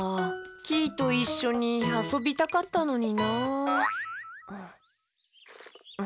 キイといっしょにあそびたかったのになあ。